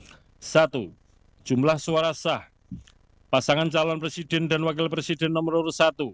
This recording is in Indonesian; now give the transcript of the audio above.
satu jumlah suara sah pasangan calon presiden dan wakil presiden nomor urut satu